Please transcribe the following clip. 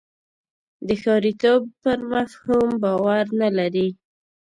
د ښاریتوب پر مفهوم باور نه لري.